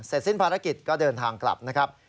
สิ้นภารกิจก็เดินทางกลับนะครับ